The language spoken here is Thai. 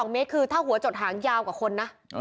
๒เมตรคือถ้าหัวจดหางยาวกว่าคนนะ